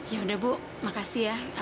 ya udah bu makasih ya